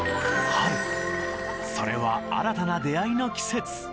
春、それは新たな出会いの季節。